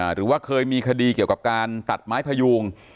หรือว่าเคยมีคดีเกี่ยวกับการตัดไม้พยูง